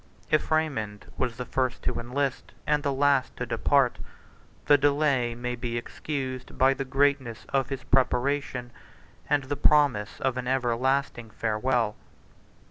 If Raymond was the first to enlist and the last to depart, the delay may be excused by the greatness of his preparation and the promise of an everlasting farewell.